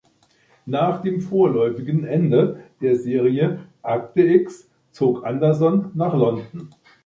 Nach dem vorläufigen Ende der Serie "Akte X" zog Anderson nach London.